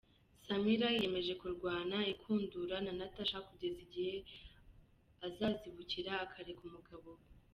Samira yiyemeje kurwana inkundura na Natasha kugeza igihe azazibukira akareka umugabo we.